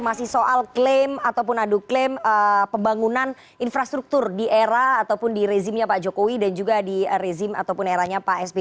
masih soal klaim ataupun adu klaim pembangunan infrastruktur di era ataupun di rezimnya pak jokowi dan juga di rezim ataupun eranya pak sby